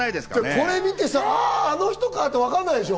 これ見て、ああの人か！って分からないでしょ